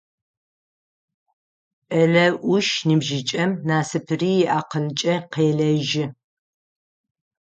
Кӏэлэ ӏуш ныбжьыкӏэм насыпыри иакъылкӏэ къелэжьы.